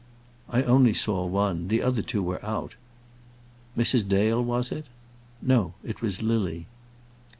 "I only saw one. The other two were out." "Mrs. Dale, was it?" "No; it was Lily."